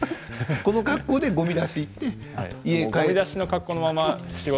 この格好でごみ出しに行って。